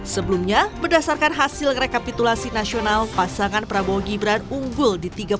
sebelumnya berdasarkan hasil rekapitulasi nasional pasangan prabowo gibran unggul di tiga puluh empat